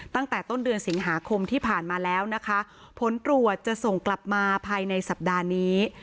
ตั้งแต่ต้นเดือนสิงหาคมที่ผ่านมาแล้วนะคะผลตรวจจะส่งกลับมาภายในสัปดาห์นี้